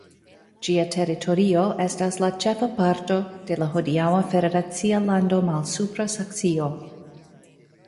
Ĝia teritorio estas la ĉefa parto de la hodiaŭa federacia lando Malsupra Saksio.